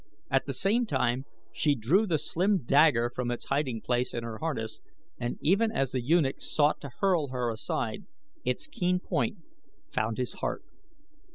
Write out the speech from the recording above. At the same time she drew the slim dagger from its hiding place in her harness and even as the eunuch sought to hurl her aside its keen point found his heart.